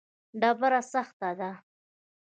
ډبره سخته ده.